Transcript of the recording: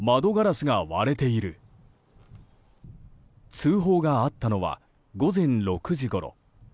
通報があったのは午前６時ごろ。